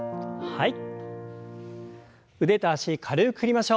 はい。